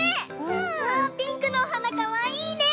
うわピンクのおはなかわいいね。